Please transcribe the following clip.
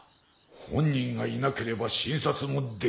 本人がいなければ診察もできぬ。